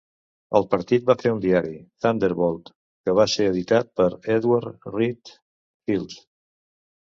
El partit va fer un diari, "Thunderbolt", que va ser editat per Edward Reed Fields.